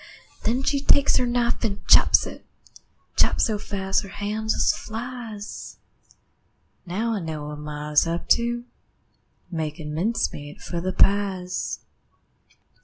Then she takes her knife an' chops it, Chops so fast her hand jest flies. Now I know what ma is up to Makin' mincemeat for the pies.